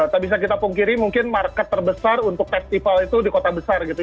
tak bisa kita pungkiri mungkin market terbesar untuk festival itu di kota besar gitu ya